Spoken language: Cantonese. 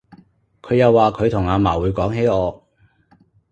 佢又話佢同阿嫲會講起我